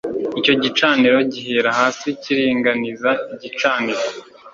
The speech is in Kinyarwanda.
icyo gicaniro gihera hasi kiringaniza igicaniro